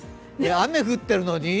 雨降ってるのに？